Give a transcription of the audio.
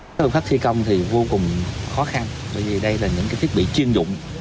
các phương pháp thi công thì vô cùng khó khăn bởi vì đây là những thiết bị chuyên dụng